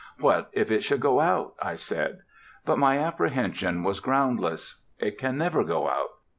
"What if it should go out?" I said; but my apprehension was groundless. It can never go out.